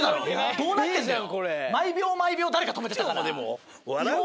どうなってんだよ。